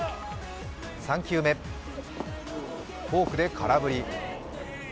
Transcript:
３球目、フォークで空振り。